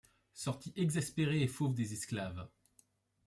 Sortie exaspérée et fauve des esclaves !